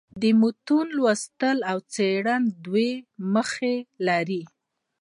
د متون لوستل او څېړل دوې موخي لري.